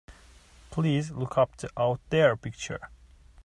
Please look up the Out There picture.